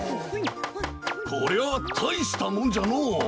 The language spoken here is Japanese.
これはたいしたもんじゃのう。